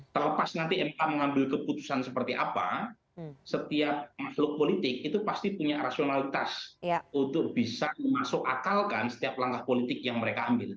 terlepas nanti ma mengambil keputusan seperti apa setiap makhluk politik itu pasti punya rasionalitas untuk bisa memasuk akalkan setiap langkah politik yang mereka ambil